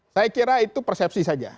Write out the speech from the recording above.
saya kira itu persepsi saja